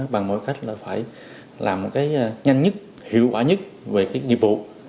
bằng mọi cách là phải làm cái nhanh nhất hiệu quả nhất về cái nhiệm vụ